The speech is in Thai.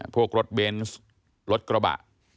พวกรถเบนส์รถกระบะ